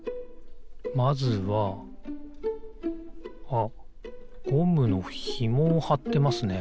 あっゴムのひもをはってますね。